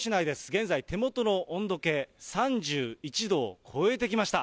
現在、手元の温度計３１度を超えてきました。